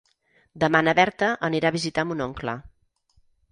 Demà na Berta anirà a visitar mon oncle.